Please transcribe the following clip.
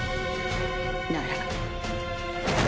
なら。